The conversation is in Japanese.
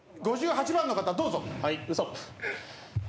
５８番の方どうぞ。